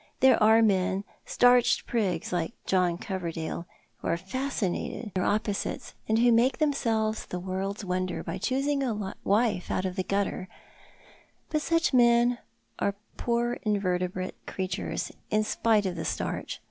There are men— starched prigs like John Coverdale— who are fascinated by their opposites, and who make themselves the world's wonder by choosing ca wife out af the gutter; but such men are poor invertebrate creatures, in spite of the starch.